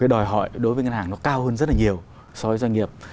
so với doanh nghiệp